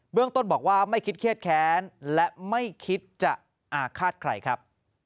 เรื่องต้นบอกว่าไม่คิดเครียดแค้นและไม่คิดจะอาฆาตใครครับ